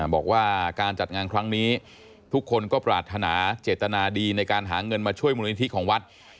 บอกว่าการจัดงานครั้งนี้ทุกคนก็ปรารถนาเจตนาดีในการหาเงินมาช่วยมูลนิธิของวัด